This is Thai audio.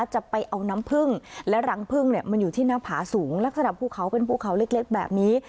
จะเอาน้ำพึ่งและรังพึ่งเนี่ยมันอยู่ที่หน้าผาสูงลักษณะภูเขาเป็นภูเขาเล็กแบบนี้